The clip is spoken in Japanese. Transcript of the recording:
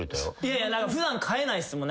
普段飼えないですもんね